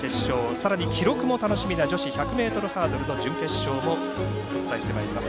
さらに記録も楽しみな女子１００ｍハードルの準決勝もお伝えします。